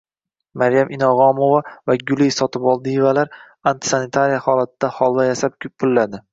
Maryam Inog`omova va Guli Sotivoldievalar antisanitariya holatida holva yasab, pullaydi…